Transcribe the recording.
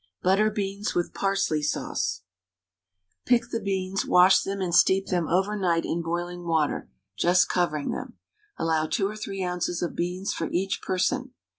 BUTTER BEANS WITH PARSLEY SAUCE. Pick the beans, wash them, and steep them over night in boiling water, just covering them. Allow 2 or 3 oz. of beans for each person.